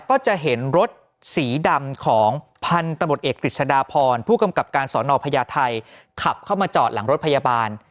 ก็จะเห็นรถสีดำของพันธุ์ตำรวจเอกกฤษฎาพรผู้กำกับการสอนอพญาไทยขับเข้ามาจอดหลังรถพยาบาล